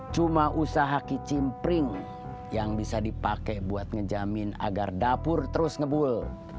cuma usaha kicimpring yang bisa dipakai buat ngejamin agar dapur terus ngebul